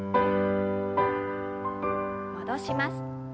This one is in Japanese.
戻します。